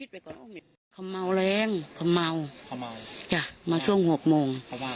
เพราะเม๊อแมวมาพักช่วง๖โมง